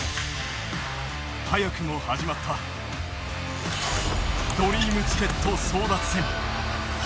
早くも始まったドリームチケット争奪戦。